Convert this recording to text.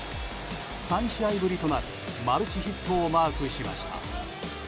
３試合ぶりとなるマルチヒットをマークしました。